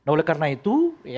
oleh karena itu